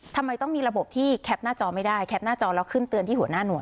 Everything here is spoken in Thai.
ทำไมต้องมีระบบที่แคปหน้าจอไม่ได้แคปหน้าจอแล้วขึ้นเตือนที่หัวหน้าหน่วย